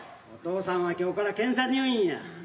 お父さんは今日から検査入院や。